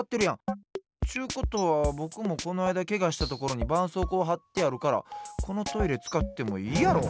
ちゅうことはぼくもこのあいだけがしたところにばんそうこうはってあるからこのトイレつかってもいいやろ！